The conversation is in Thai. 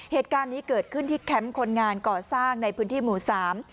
เหตุการณ์นี้เกิดขึ้นที่แคมป์คนงานก่อสร้างในพื้นที่หมู่สาม